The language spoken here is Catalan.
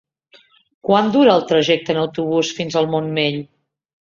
Quant dura el trajecte en autobús fins al Montmell?